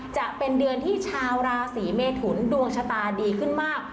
จะเป็นเดือนที่ชาวราศีเมทุนดวงชะตาดีขึ้นมาก